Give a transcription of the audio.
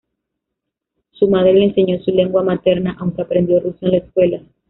Su madre le enseñó su lengua materna, aunque aprendió ruso en la escuela.